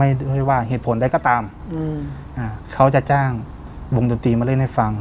ด้วยว่าเหตุผลใดก็ตามอืมอ่าเขาจะจ้างวงดนตรีมาเล่นให้ฟัง